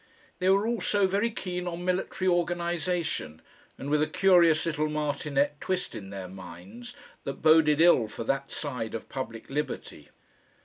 They were also very keen on military organisation, and with a curious little martinet twist in their minds that boded ill for that side of public liberty.